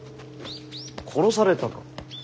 殺されたか。